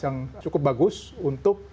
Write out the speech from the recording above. yang cukup bagus untuk